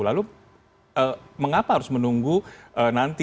lalu mengapa harus menunggu nanti